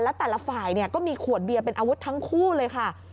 แล้วแต่ละฝ่ายก็มีขวดเบียร์เป็นอาวุธทั้งคู่เลยค่ะ